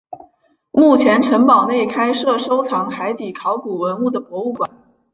目前城堡内开设收藏海底考古文物的博物馆。